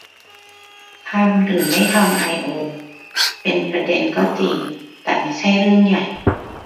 ทำ หรือไม่ทำไอโอ เป็นประเด็นก็จริง แต่ไม่ใช่เรื่องใหญ่